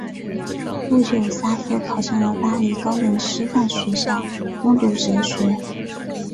不久萨特考上了巴黎高等师范学校攻读哲学。